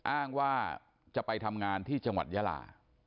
อ้างว่าจะไปทำงานที่จังหวัดยาลา